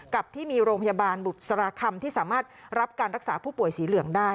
กับที่มีโรงพยาบาลบุษราคำที่สามารถรับการรักษาผู้ป่วยสีเหลืองได้